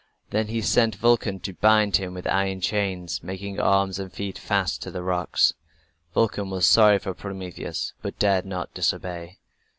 Then he sent Vulcan to bind him with iron chains, making arms and feet fast to the rocks. Vulcan was sorry for Prometheus, but dared not disobey.